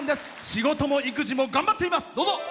仕事も育児も頑張っています。